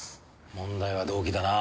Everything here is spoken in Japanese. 問題は動機だな。